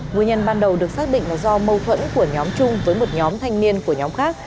nguyên nhân ban đầu được xác định là do mâu thuẫn của nhóm chung với một nhóm thanh niên của nhóm khác